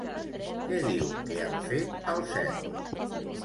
Què diu que han fet al Cel?